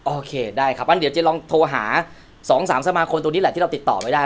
โอเคได้ครับงั้นเดี๋ยวจะลองโทรหา๒๓สมาคมตัวนี้แหละที่เราติดต่อไม่ได้